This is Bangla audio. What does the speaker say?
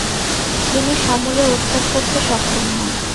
তিনি সমুলে উৎখাত করতে সক্ষম হন।